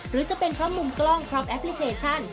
หรือจะเป็นเพราะมุมกล้องพร้อมแอปพลิเคชัน